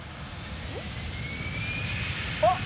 あっ！